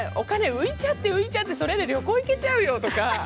浮いちゃって浮いちゃってそれで旅行行けちゃうよ！とか。